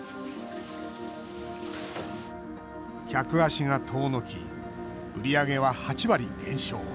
客足が遠のき売り上げは８割減少。